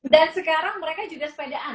dan sekarang mereka juga sepedaan